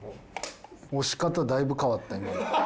押し方だいぶ変わった。